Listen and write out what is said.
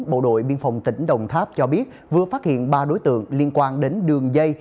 bộ đội biên phòng tỉnh đồng tháp cho biết vừa phát hiện ba đối tượng liên quan đến đường dây